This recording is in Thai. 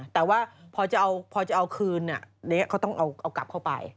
แต่ว่าพอจะเอาคืนเด๊ะเขาต้องเอากลับเข้าไป